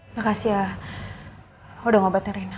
makasih ya udah ngobatin reina